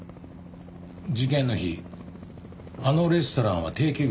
事件の日あのレストランは定休日でした。